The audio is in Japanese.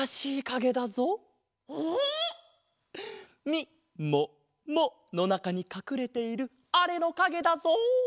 みもものなかにかくれているあれのかげだぞ！